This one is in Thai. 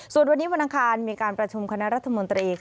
ส่วนวันนี้วันอังคารมีการประชุมคณะรัฐมนตรี